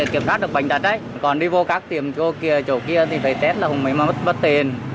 kiểm tra được bệnh đặt đấy còn đi vô các tiệm chỗ kia thì phải test là không mới mất tiền